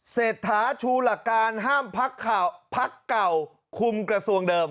เศรษฐาชูหลักการห้ามพักเก่าคุมกระทรวงเดิม